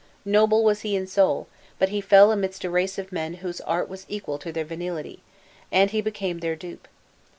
Noble was he in soul; but he fell amidst a race of men whose art was equal to their venality, and he became their dupe.